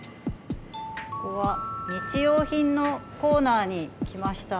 ここは日用品のコーナーに来ました。